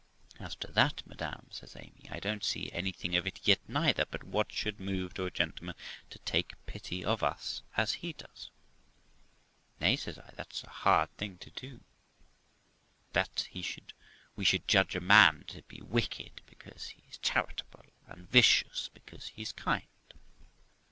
'As to that madam', says Amy, 'I don't see anything of it yet neither; but what should move a gentleman to take pity of us as he does ?'' Nay ', says I, ' that's a hard thing too, that we should judge a man to be wicked because he's charitable, and vicious because he's kind.'